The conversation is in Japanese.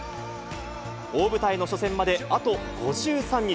大舞台の初戦まであと５３日。